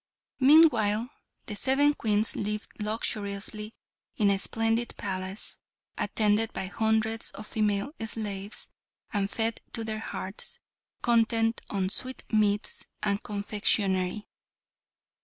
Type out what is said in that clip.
Meanwhile the seven Queens lived luxuriously in a splendid palace, attended by hundreds of female slaves, and fed to their hearts' content on sweetmeats and confectionery.